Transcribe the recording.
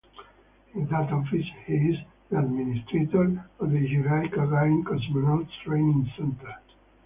In that office, he is the administrator of the Yuri Gagarin Cosmonauts Training Center.